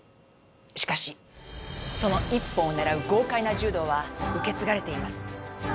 しかしその一本を狙う豪快な柔道は受け継がれています。